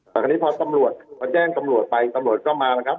แต่ตอนนี้พอแจ้งตำรวจไปตำรวจก็มาแล้วครับ